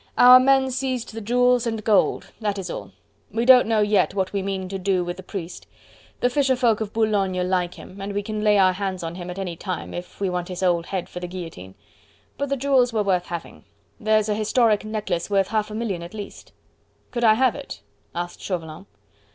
"Our men seized the jewels and gold, that is all. We don't know yet what we mean to do with the priest. The fisherfolk of Boulogne like him, and we can lay our hands on him at any time, if we want his old head for the guillotine. But the jewels were worth having. There's a historic necklace worth half a million at least." "Could I have it?" asked Chauvelin.